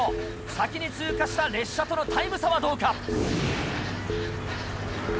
先に通過した列車とのタイム差はどうか？